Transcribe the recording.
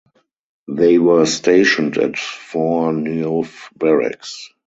They were stationed at Fort Neuf Barracks.